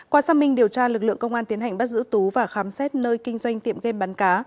qua xác minh điều tra lực lượng công an tiến hành bắt giữ tú và khám xét nơi kinh doanh tiệm game bán cá